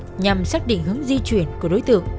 án tổ chức nhằm xác định hướng di chuyển của đối tượng